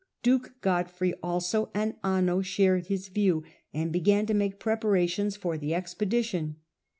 Duke Godfrey, also, and Anno shared his view, and began to make preparations for the expe dition.